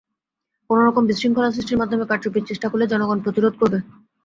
কোনো রকম বিশৃঙ্খলা সৃষ্টির মাধ্যমে কারচুপির চেষ্টা হলে জনগণ প্রতিরোধ করবে।